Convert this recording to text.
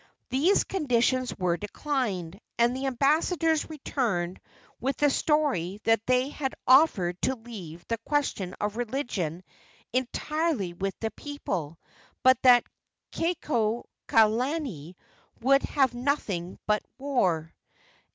These conditions were declined, and the ambassadors returned with the story that they had offered to leave the question of religion entirely with the people, but that Kekuaokalani would have nothing but war.